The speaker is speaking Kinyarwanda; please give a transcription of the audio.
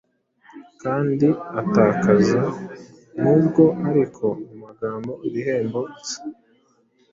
Kandi atakaza, nubwo ariko mu magambo, ibihembo bye